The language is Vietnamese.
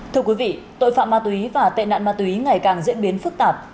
thưa quý vị tội phạm ma túy và tệ nạn ma túy ngày càng diễn biến phức tạp